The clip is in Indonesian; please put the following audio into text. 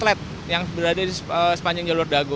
rencananya beberapa jalan